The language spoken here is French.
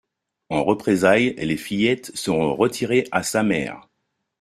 En représailles, les fillettes seront retirées à sa mère.